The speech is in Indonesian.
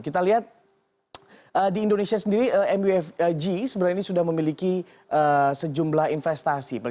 kita lihat di indonesia sendiri mufg sebenarnya ini sudah memiliki sejumlah investasi